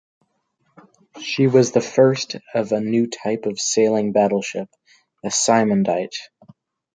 She was the first of a new type of sailing battleship: a Symondite.